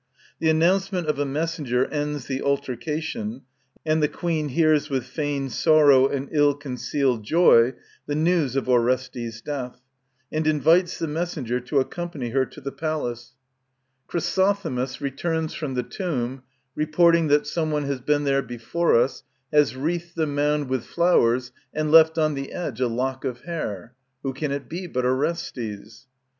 The announcement of a messenger ends the altercation, and the Queen hears with feigned sorrow and ill concealed joy the news of Orestes' death, and invites the messenger to accompany her to the palace, 122 οκ ο ae Se se ἀπ κα ο. κα... SORES ἢ RSE ύμνων, ry νόμος etree ere ARGUMENT Chrysothemis returns from the tomb, reporting that some one has been there before her, has wreathed the mound with flowers, and left on the edge a lock of hair. Who can it be but Orestes?